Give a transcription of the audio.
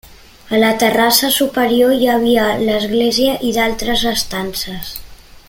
A la terrassa superior hi havia l'església i d'altres estances.